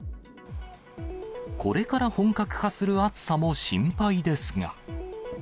これから本格化する暑さも心配ですが。